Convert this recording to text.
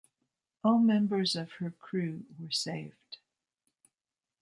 All members of her crew were saved.